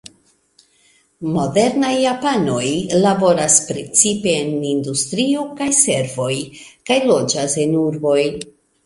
Modernaj japanoj laboras precipe en industrio kaj servoj, kaj loĝas en urboj.